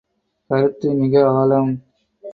கருத்து மிக ஆழம்.